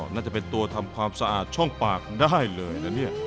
น่าจะเป็นตัวทำความสะอาดช่องปากได้เลยนะเนี่ย